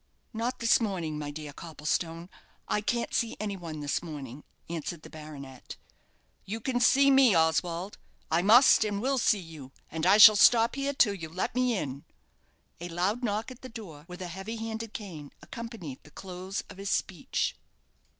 "Not this morning, my dear Copplestone; I can't see any one this morning," answered the baronet. "You can see me, Oswald. I must and will see you, and I shall stop here till you let me in." A loud knock at the door with a heavy headed cane accompanied the close of his speech.